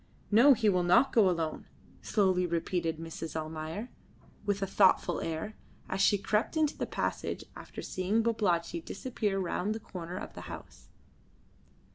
"No, he will not go alone," slowly repeated Mrs. Almayer, with a thoughtful air, as she crept into the passage after seeing Babalatchi disappear round the corner of the house.